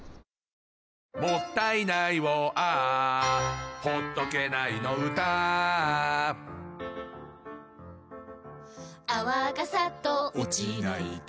「もったいないをＡｈ」「ほっとけないの唄Ａｈ」「泡がサッと落ちないと」